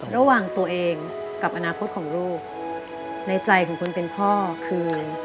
ระหว่างตัวเองกับอนาคตของลูกในใจของคนเป็นพ่อคือ